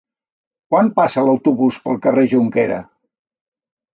Quan passa l'autobús pel carrer Jonquera?